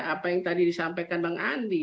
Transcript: apa yang tadi disampaikan bang andi